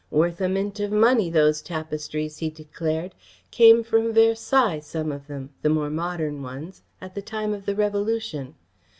"Worth a mint of money, those tapestries," he declared. "Came from Versailles, some of them the more modern ones at the time of the Revolution.